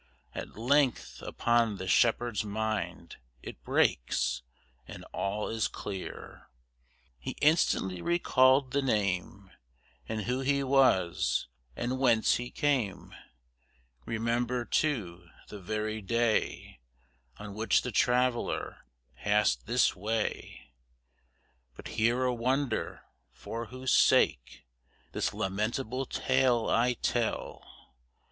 At length upon the shepherd's mind It breaks, and all is clear: He instantly recalled the name And who he was, and whence he came; Remembered, too, the very day On which the traveller passed this way. But hear a wonder, for whose sake This lamentable tale I tell!